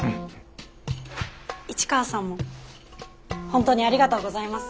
市川さんも本当にありがとうございます。